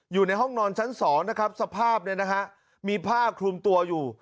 อยู่ในห้องนอนชั้น๒นะครับสภาพเนี่ยนะฮะมีผ้าคลุมตัวอยู่